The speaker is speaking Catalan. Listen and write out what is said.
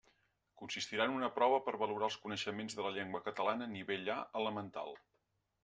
Consistirà en una prova per valorar els coneixements de la llengua catalana nivell A elemental.